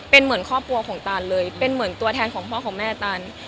เป็นเหมือนครอบครัวของตานเลยเป็นเหมือนตัวแทนของพ่อของแม่ตาน